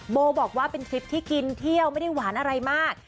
โบบอกว่าเป็นทริปที่กินเที่ยวไม่ได้หวานอะไรมาก